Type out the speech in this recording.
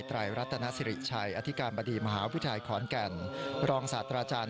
ไตรรัตนสิริชัยอธิการบดีมหาวิทยาลัยขอนแก่นรองศาสตราจารย์